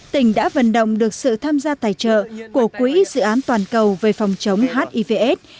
tỉnh đã vận động được sự tham gia tài trợ của quỹ dự án toàn cầu về phòng chống hivs